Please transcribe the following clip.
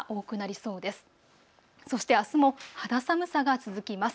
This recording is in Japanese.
そしてあすも肌寒さが続きます。